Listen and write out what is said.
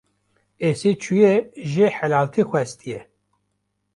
Esê çûye jê helaltî xwestiye